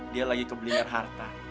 dia lagi ke belian harta